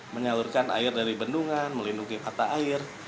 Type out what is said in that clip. menyalurkan air dari bendungan melindungi mata air